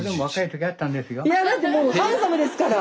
いやだってもうハンサムですから！